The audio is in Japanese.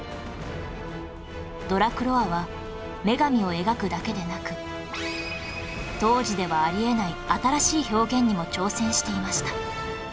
ドラクロワは女神を描くだけでなく当時ではあり得ない新しい表現にも挑戦していました